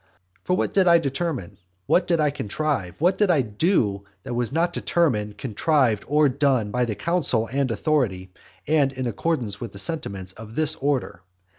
For what did I determine, what did I contrive, what did I do, that was not determined, contrived, or done, by the counsel and authority and in accordance with the sentiments of this order?